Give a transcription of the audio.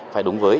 phải đúng với